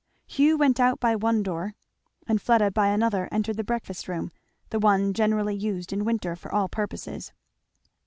Hugh went out by one door and Fleda by another entered the breakfast room; the one generally used in winter for all purposes.